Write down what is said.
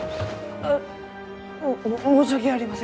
うっ！も申し訳ありません！